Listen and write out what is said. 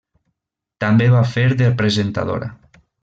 També va fer de presentadora.